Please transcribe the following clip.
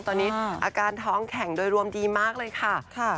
ตอนนี้อาการท้องแข็งโดยรวมดีมากเลยค่ะ